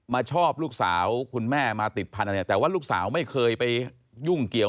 ชอบลูกสาวคุณแม่มาติดพันธุ์เนี่ยแต่ว่าลูกสาวไม่เคยไปยุ่งเกี่ยว